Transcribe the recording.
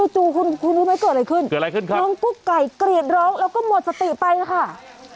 จู่คุณไม่รู้เกิดอะไรขึ้นน้องกู้ไก่เกลียดร้องแล้วก็หมดสติไปนะคะ